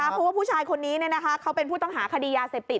เพราะว่าผู้ชายคนนี้เขาเป็นผู้ต้องหาคดียาเสพติด